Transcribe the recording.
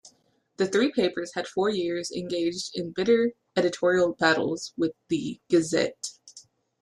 The three papers had for years engaged in bitter editorial battles with the "Gazette".